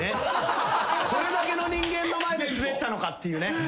これだけの人間の前でスベったのかっていうね。